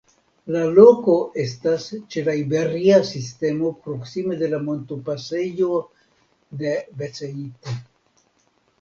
La loko estas ĉe la Iberia Sistemo proksime de la montopasejo de Beceite.